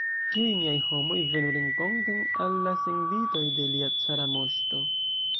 Ĉiuj miaj homoj venu renkonten al la senditoj de lia cara moŝto!